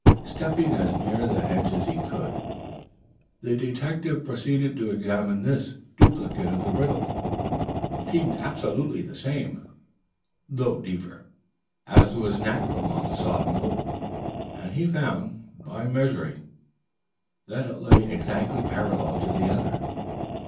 Stepping as near the hedge as he could, the detective proceeded to examine this duplicate of the riddle. It seemed absolutely the same, though deeper, as was natural on the soft mould, and he found, by measuring, that it lay exactly parallel to the other.